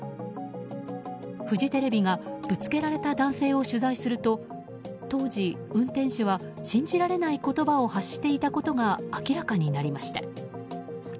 フジテレビがぶつけられた男性を取材すると当時、運転手は信じられない言葉を発していたことが明らかになりました。